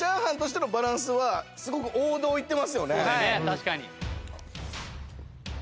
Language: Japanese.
確かに。